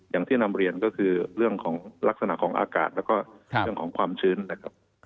อย่างที่นำเรียนก็คือเรื่องของลักษณะของอากาศแล้วก็เรื่องของความชื้นนะครับ